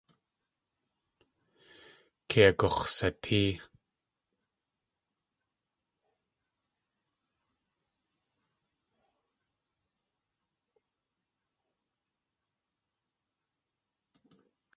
Kei agux̲satée.